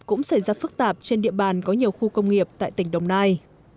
cũng xảy ra phức tạp trên địa bàn có nhiều khu công nghiệp tại tỉnh đồng nai